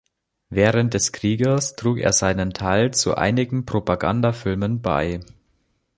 Während des Krieges trug er seinen Teil zu einigen Propagandafilmen bei.